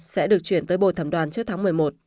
sẽ được chuyển tới bầu thẩm đoàn trước tháng một mươi một